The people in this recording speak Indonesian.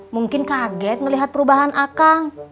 mungkin kaget melihat perubahan akang